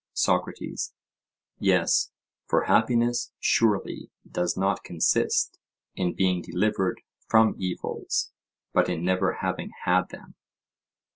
SOCRATES: Yes; for happiness surely does not consist in being delivered from evils, but in never having had them.